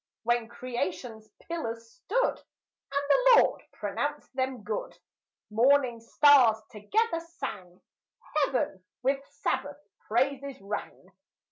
When creation's pillars stood, And the Lord pronounced them good, Morning stars together sang Heaven with Sabbath praises rang.